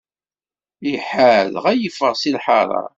Iḥar, dɣa yeffeɣ seg lḥaṛa.